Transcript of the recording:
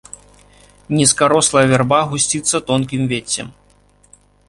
Нізкарослая вярба гусціцца тонкім веццем.